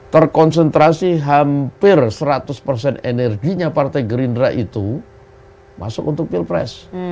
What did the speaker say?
terkonsentrasi hampir seratus persen energinya partai gerindra itu masuk untuk pilpres